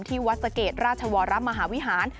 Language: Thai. ที่วัสเกตราชวรรมมหาวิหาร